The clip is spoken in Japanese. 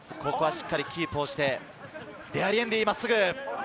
しっかりキープして、デアリエンディ、真っすぐ。